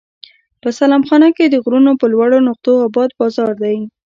په سلام خانه کې د غرونو پر لوړو نقطو اباد بازار دی.